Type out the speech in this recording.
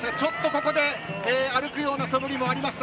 ここで歩くようなそぶりもありました。